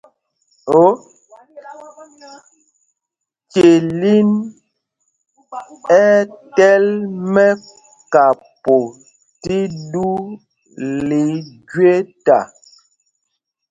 Celin ɛ́ ɛ́ tɛ́l mɛ́kapo tí ɗū lɛ íjüeta.